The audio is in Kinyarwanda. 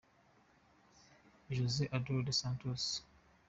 Jose Eduardo dos Santos –$.